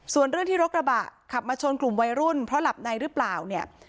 ส่วนเรื่องที่รถกระบะขับมาชนกลุ่มวัยรุ่นเพราะหลับในหรือเปล่าเนี่ย